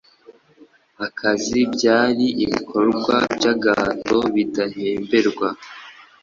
Akazi byari Ibikorwa byagahato bidahemberwa